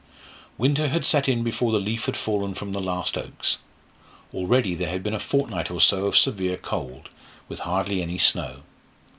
Winter had set in before the leaf had fallen from the last oaks; already there had been a fortnight or more of severe cold, with hardly any snow.